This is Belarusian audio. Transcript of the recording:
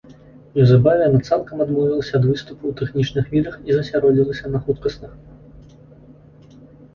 Неўзабаве, яна цалкам адмовілася ад выступу ў тэхнічных відах і засяродзілася на хуткасных.